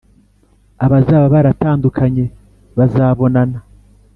Abazaba baratandukanye bazabonana,